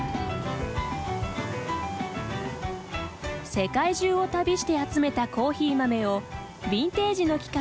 世界中を旅して集めたコーヒー豆をビンテージの機械でばい